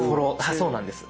そうなんです。